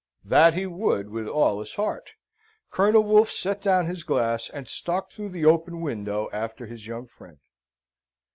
That he would with all his heart. Colonel Wolfe set down his glass, and stalked through the open window after his young friend.